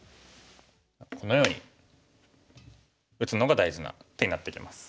このように打つのが大事な手になってきます。